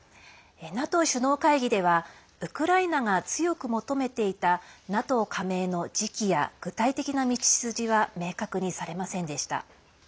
ＮＡＴＯ首脳会議ではウクライナが強く求めていたＮＡＴＯ加盟の時期や具体的な道筋は明確にされませんでした。